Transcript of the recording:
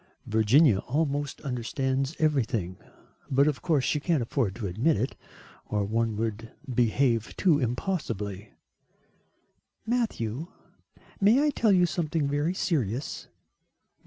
"Virginia almost understands everything, but of course she can't afford to admit it, or one would behave too impossibly." "Matthew, may I tell you something very serious?"